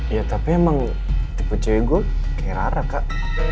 ya tapi emang tipe cewek gue rara kak